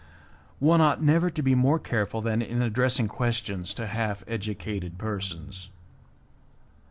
One ought never to be more careful than in addressing questions to half educated persons.